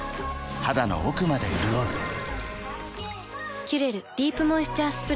肌の奥まで潤う「キュレルディープモイスチャースプレー」